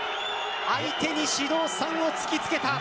相手に指導３を突きつけた。